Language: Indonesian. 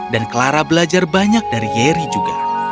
dan clara belajar banyak dari yeri juga